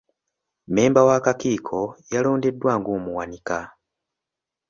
Mmemba w'akakiiko yalondeddwa ng'omuwanika.